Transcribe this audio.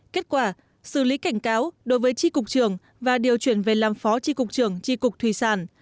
kết quả xử lý cảnh cáo đối với tri cục trường và điều chuyển về làm phó tri cục trưởng tri cục thủy sản